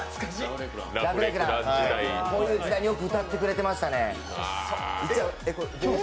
ラフレクラン時代によく歌ってくれていましたね。